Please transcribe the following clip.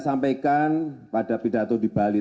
sampaikan pada pidato di bali